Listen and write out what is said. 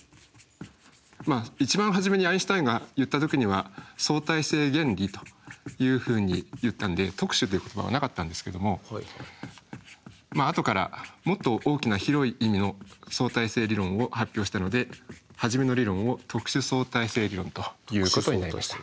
一番初めにアインシュタインが言った時には「相対性原理」というふうに言ったんで「特殊」という言葉はなかったんですけどもあとからもっと大きな広い意味の相対性理論を発表したので初めの理論を「特殊相対性理論」と言うことになりました。